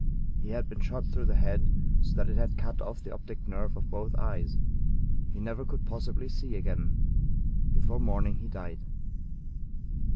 He had been shot through the head, so that it had cut off the optic nerve of both eyes. He never could possibly see again. Before morning he died.